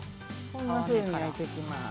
こんなふうに焼いていきます。